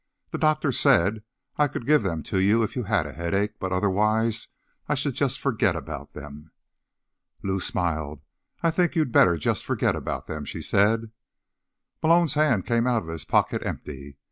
The doctor said I could give them to you if you had a headache, but otherwise I should just forget about them." Lou smiled. "I think you'd better just forget about them," she said. Malone's hand came out of his pocket empty.